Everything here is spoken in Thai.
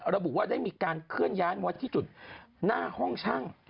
ระบุว่าได้มีการเคลื่อนย้ายมาที่จุดหน้าห้องช่าง